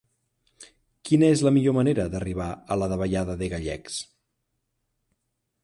Quina és la millor manera d'arribar a la davallada de Gallecs?